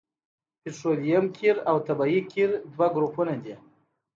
پطرولیم قیر او طبیعي قیر دوه ګروپونه دي